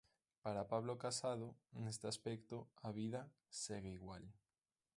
Para Pablo Casado, neste aspecto, a vida segue igual.